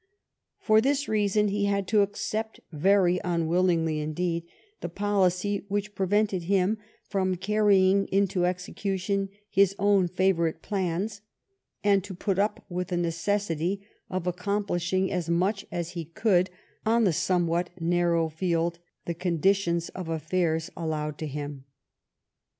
For this reason he had to accept very unwillingly, indeed, the policy which prevented him from carrying into execution his own favorite plans, and to put up with the necessity of accomplish ing as much as he could on the somewhat narrow field the condition of affairs allowed to him.